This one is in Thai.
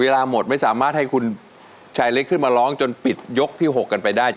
เวลาหมดไม่สามารถให้คุณชายเล็กขึ้นมาร้องจนปิดยกที่๖กันไปได้